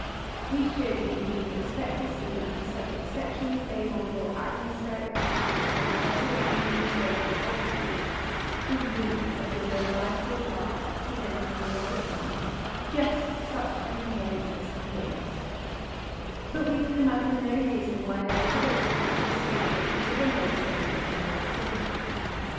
We should, indeed, expect to see, under such exceptionally favourable atmospheric conditions as Professor Langley enjoyed on Pike's Peak, the roots of the zodiacal light presenting near the sun just such an appearance as he witnessed; but we can imagine no reason why their visibility should be associated with a low state of solar activity.